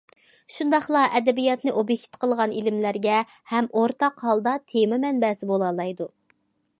شۇنداقلا ئەدەبىياتنى ئوبيېكت قىلغان ئىلىملەرگە ھەم ئورتاق ھالدا تېما مەنبەسى بولالايدۇ.